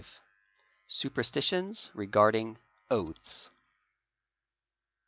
—Superstitions regarding oaths.